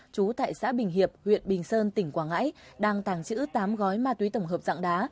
trú tại xã bình hiệp huyện bình sơn tỉnh quảng ngãi đang tàng trữ tám gói ma túy tổng hợp dạng đá